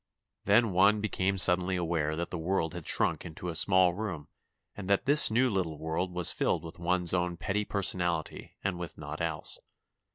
Then one became suddenly aware that the world had shrunk into a small room and that this new little world was filled with one's own petty personality and with naught else.